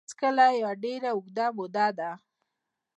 هېڅکله یوه ډېره اوږده موده ده